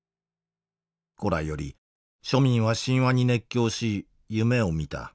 古来より庶民は神話に熱狂し夢を見た。